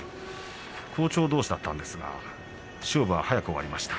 好調どうしだったんですが勝負は早く終わりました。